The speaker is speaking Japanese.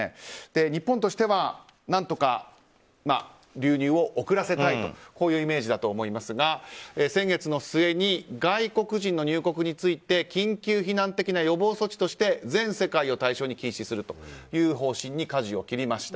日本としては何とか流入を遅らせたいというイメージだと思いますが先月の末、外国人の入国について緊急避難的な予防措置として全世界を対象に禁止するという方針にかじを切りました。